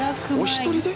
お一人で！？